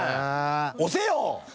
押せよ！